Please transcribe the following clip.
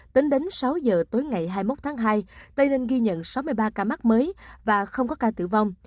tính đến sáu giờ tối ngày hai mươi một tháng hai tây ninh ghi nhận sáu mươi ba ca mắc mới và không có ca tử vong